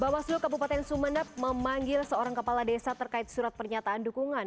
bawaslu kabupaten sumeneb memanggil seorang kepala desa terkait surat pernyataan dukungan